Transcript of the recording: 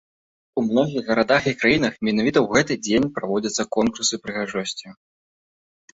У многіх гарадах і краінах менавіта ў гэты дзень праводзяцца конкурсы прыгажосці.